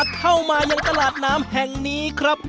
เข้ามายังตลาดน้ำแห่งนี้ครับ